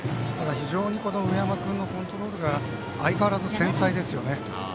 非常に上山君のコントロールが相変わらず繊細ですね。